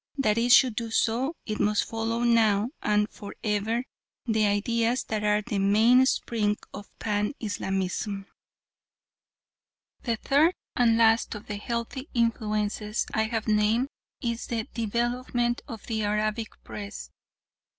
That it should do so it must follow now and for ever the ideas that are the mainspring of Pan Islamism. The third and last of the healthy influences I have named is the development of the Arabic Press.